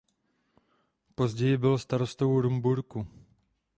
Později byl starostou Rumburku.